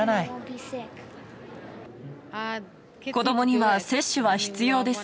子どもには接種は必要です。